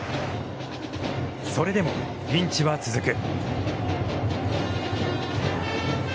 それでも、ピンチは続く。